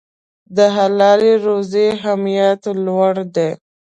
د حلالې روزي اهمیت لوړ دی.